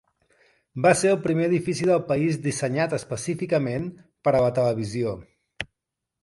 Va ser el primer edifici del país dissenyat específicament per a la televisió.